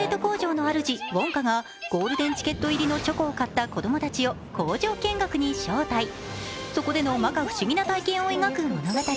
謎のチョコレート工場の主、ウォンカがゴールデンチケット入りのチョコを買った子供たちを工場見学に招待、そこでのまか不思議な体験を描く物語。